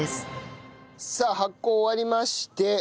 さあ発酵終わりまして。